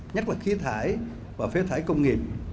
nhất là khí thải và phế thải công nghiệp